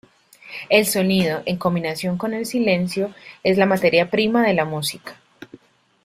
El sonido, en combinación con el silencio, es la materia prima de la música.